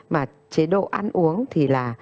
mà chế độ ăn uống thì là